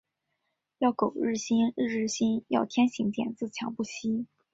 要苟日新，日日新。要天行健，自强不息。